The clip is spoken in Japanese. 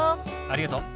ありがとう。